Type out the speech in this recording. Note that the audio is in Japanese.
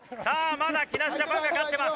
まだ木梨ジャパンが勝ってます。